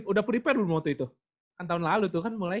udah prepare waktu itu kan tahun lalu tuh kan mulai